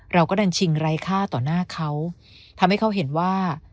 เราก็ดันชิงไร้ค่าต่อหน้าเขาทำให้เขาเห็นว่า